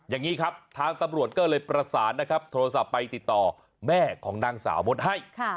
อย่างนี้ครับทางตำรวจก็เลยประสานนะครับโทรศัพท์ไปติดต่อแม่ของนางสาวมดให้